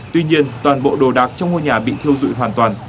tuy nhiên toàn bộ đồ đạc trong ngôi nhà bị thiêu dụi hoàn toàn